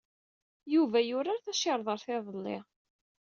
Yuba yurar tacirḍart iḍelli.